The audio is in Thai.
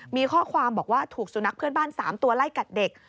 มีข้อความบอกว่าถูกสุนัขเพื่อนบ้าน๓ตัวไล่กัดเด็ก